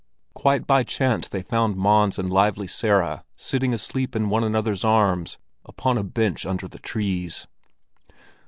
Quite by chance they found Mons and Lively Sara sitting asleep in one another's arms upon a bench under the trees.